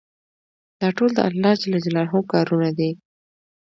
دا ټول د الله کارونه دي.